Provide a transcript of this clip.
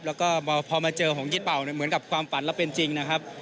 แล้วก็พอมาเจอหงษ์ยิดเปล่าเหมือนกับความฝันแล้วเป็นจริงนะครับ